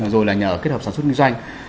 rồi là nhà ở kết hợp sản xuất kinh doanh